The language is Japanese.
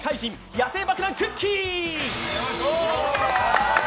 野性爆弾・くっきー！